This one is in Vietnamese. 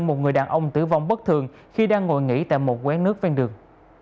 một người đàn ông tử vong bất thường khi đang ngồi nghỉ tại một quán nước ven đường